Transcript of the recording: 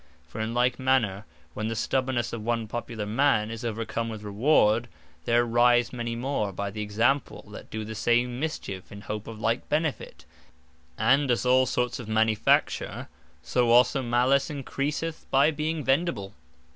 For in like manner, when the stubbornnesse of one Popular man, is overcome with Reward, there arise many more (by the Example) that do the same Mischiefe, in hope of like Benefit: and as all sorts of Manifacture, so also Malice encreaseth by being vendible.